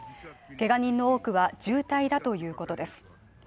けが人の多くは重体だということです。